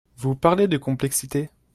Vous parlez de complexité.